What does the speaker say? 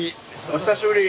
お久しぶり。